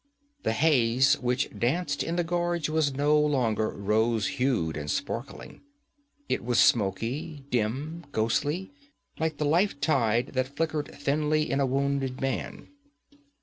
The haze which danced in the gorge was no longer rose hued and sparkling. It was smoky, dim, ghostly, like the life tide that flickered thinly in a wounded man.